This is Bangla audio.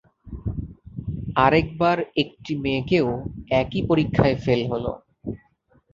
আরেকবার একটি মেয়েকেও একই পরীক্ষায় ফেলা হলো।